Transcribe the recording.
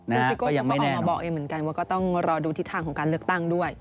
ซึ่งซิโก้เขาก็ออกมาบอกเองเหมือนกันว่าก็ต้องรอดูทิศทางของการเลือกตั้งด้วย